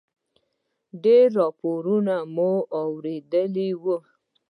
ډېر راپورونه مو اورېدلي و.